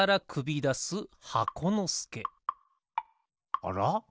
あら？